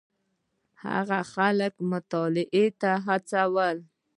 هغه خلک مطالعې ته هڅول.